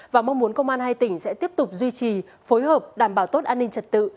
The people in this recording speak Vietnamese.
và mong muốn công an hai tỉnh sẽ tiếp tục duy trì phối hợp đảm bảo tốt an ninh trật tự